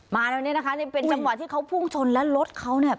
มาแล้วเนี่ยนะคะนี่เป็นจังหวะที่เขาพุ่งชนแล้วรถเขาเนี่ย